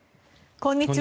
こんにちは。